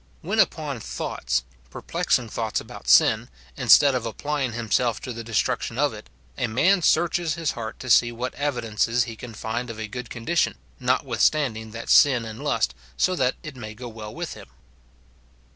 When upon tliouglits, pcrjjlexing thoughts about SIN IN BELIEVERS. 223 sin, instead of applying himself to the destruction of it, a man searches his heart to see what evidences he can find of a good condition, notwithstanding that sin and lust, so that it may go well with him.